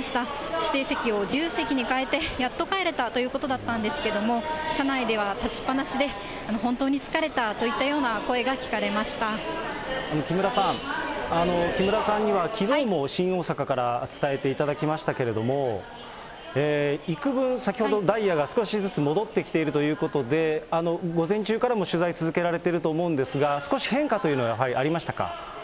指定席を自由席に変えて、やっと帰れたということだったんですけども、車内では立ちっぱなしで、本当に疲れたといったような声が木村さん、木村さんにはきのうも新大阪から伝えていただきましたけれども、いくぶん、先ほどダイヤが少しずつ戻ってきているということで、午前中からも取材続けられていると思うんですけれども、少し変化というのはやはりありましたか？